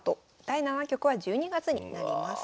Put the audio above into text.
第７局は１２月になります。